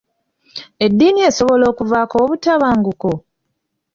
Eddiini esobola okuvaako obutabanguko?